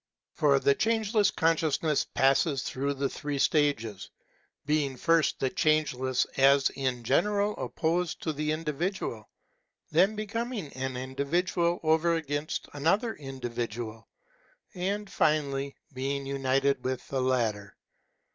For the Changeless Consciousness passes through the three stages, being first the changeless as in general opposed to the individual, then becoming an individual over against an other individual, and finally being united with the latter.